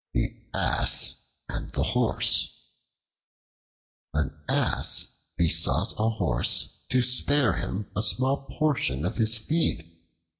The Ass and the Horse AN ASS besought a Horse to spare him a small portion of his feed.